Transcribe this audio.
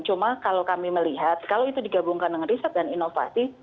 cuma kalau kami melihat kalau itu digabungkan dengan riset dan inovasi